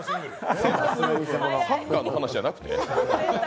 サッカーの話じゃなくて。